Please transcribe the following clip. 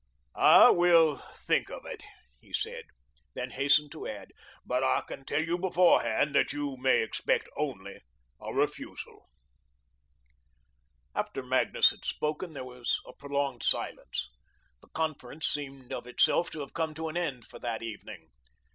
"I will think of it," he said, then hastened to add, "but I can tell you beforehand that you may expect only a refusal." After Magnus had spoken, there was a prolonged silence. The conference seemed of itself to have come to an end for that evening.